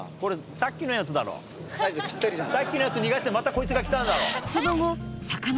さっきのやつ逃がしてまたこいつが来たんだろ。